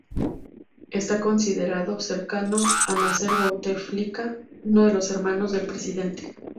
Está considerado cercano a Nacer Bouteflika, uno de los hermanos del presidente.